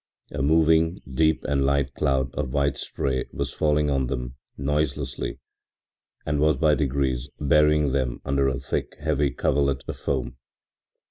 A moving, deep and light cloud of white spray was falling on them noiselessly and was by degrees burying them under a thick, heavy coverlet of foam.